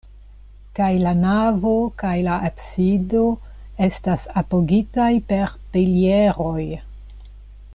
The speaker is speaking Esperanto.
Kaj la navo kaj la absido estas apogitaj per pilieroj.